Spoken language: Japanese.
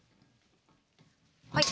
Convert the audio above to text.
はい。